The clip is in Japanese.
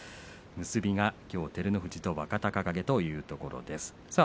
結びがきょうは照ノ富士と若隆景というところです。